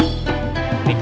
kamu yang dikasih